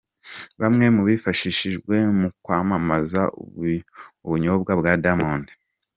Bamwe mu bifashishijwe mu kwamamaza ubunyobwa bwa Diamond.